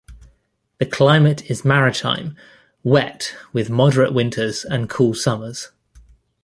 The climate is maritime, wet, with moderate winters and cool summers.